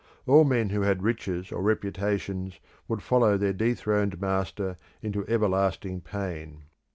All men who had riches or reputations would follow their dethroned master into everlasting pain.